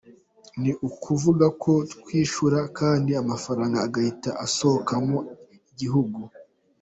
Ni ukuvuga ko twishyura kandi amafaranga agahita asohokamu gihugu.